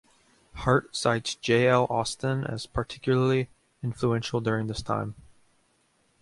Hart cites J. L. Austin as particularly influential during this time.